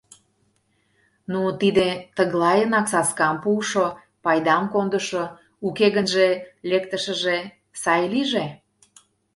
— Ну, тиде тыглайынак саскам пуышо... пайдам кондышо, уке гынже, лектышыже... сай лийже.